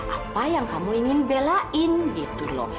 apa yang kamu ingin belain gitu loh